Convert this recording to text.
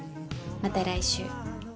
また来週。